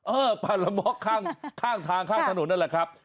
ปลาละม็อกข้างทางข้างถนนนั่นแหละครับ